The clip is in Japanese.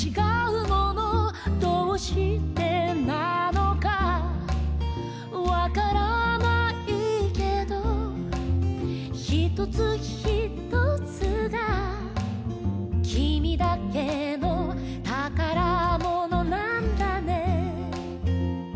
「どうしてなのかわからないけど」「ひとつひとつがきみだけのたからものなんだね」